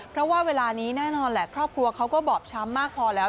เพราะว่าเวลานี้แน่นอนแหละครอบครัวเขาก็บอบช้ำมากพอแล้ว